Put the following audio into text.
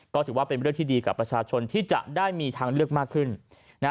ก็ถือว่าเป็นเรื่องที่ดีกับประชาชนที่จะได้มีทางเลือกมากขึ้น